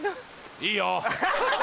いいよ。